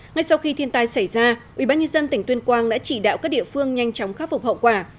ngay sau khi thiên tai xảy ra ubnd tỉnh tuyên quang đã chỉ đạo các địa phương nhanh chóng khắc phục hậu quả